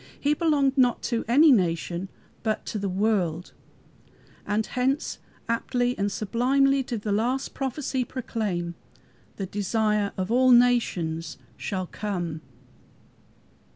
He belonged not to any nation, but to the world, and hence aptly and sublimely did the last prophecy proclaim, "The desire of all nations shall come!"